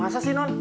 masa sih nonn